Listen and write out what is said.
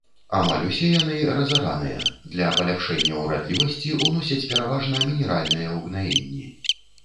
Амаль усе яны разараныя, для паляпшэння ўрадлівасці ўносяць пераважна мінеральныя ўгнаенні.